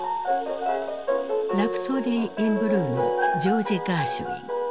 「ラプソディ・イン・ブルー」のジョージ・ガーシュイン。